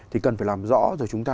thì cần phải làm rõ rồi chúng ta